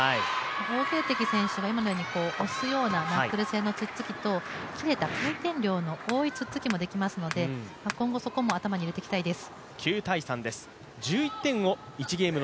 王ゲイ迪選手が今のように押すようなナックル系のツッツキもしてきますし、回転量の多いツッツキもできますので、今後そこも頭に入れていきたいです。